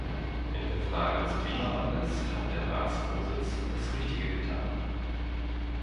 In der Frage des Klimawandels hat der Ratsvorsitz das Richtige getan.